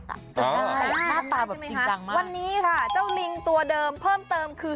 จำได้หน้าตาใช่ไหมคะวันนี้ค่ะเจ้าลิงตัวเดิมเพิ่มเติมคือ